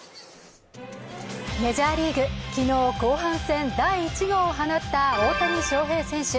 メジャーリーグ、昨日、後半戦第１号を放った大谷翔平選手